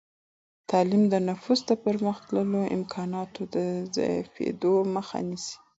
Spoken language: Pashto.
تعلیم د نفوس د پرمختللو امکاناتو د ضعیفېدو مخه نیسي.